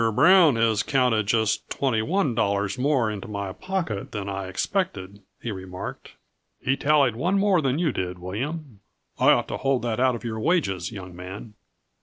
Brown has counted just twenty one dollars more into my pocket than I expected," he remarked. "He tallied one more than you did, William. I ought to hold that out of your wages, young man."